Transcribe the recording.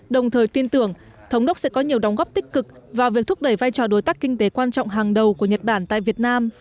đồng thời tin tưởng thống đốc sẽ có nhiều đóng góp tích cực vào việc thúc đẩy vai trò đối tác kinh tế quan trọng hàng đầu của nhật bản tại việt nam